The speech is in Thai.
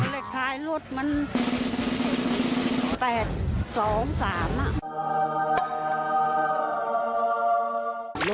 เลขท้ายรถมัน๘๒๓อ่ะ